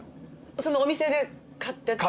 そのお店で買ってという。